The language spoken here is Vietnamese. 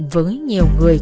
với nhiều người